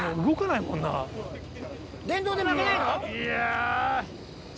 いや。